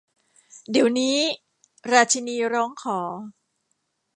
เดี๋ยวนี้ ! ราชินีร้องขอ